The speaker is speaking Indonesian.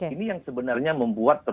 ini yang sebenarnya membuat